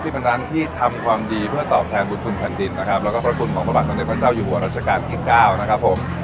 เป็นร้านที่ทำความดีเพื่อตอบแทนบุญทุนแผ่นดินนะครับแล้วก็พระคุณของพระบาทสำเร็จพระเจ้าอยู่หัวรัชกาลที่๙นะครับผม